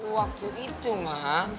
waktu itu mah